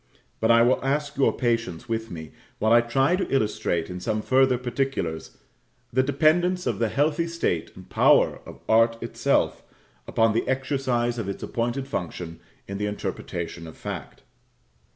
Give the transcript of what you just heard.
But I will ask your patience with me while I try to illustrate, in some further particulars, the dependence of the healthy state and power of art itself upon the exercise of its appointed function in the interpretation of fact.